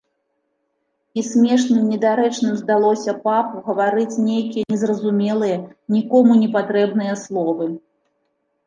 І смешным, недарэчным здалося папу гаварыць нейкія незразумелыя, нікому непатрэбныя словы.